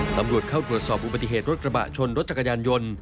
ตำรวจเข้าตรวจสอบอุบัติเหตุรถกระบะชนรถจักรยานยนต์